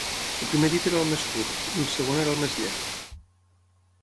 El primer dit era el més curt, i el segon era el més llarg.